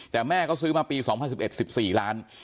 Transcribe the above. แต่แม่ก็ซื้อมาปี๒๐๑๑๑๔ล้าน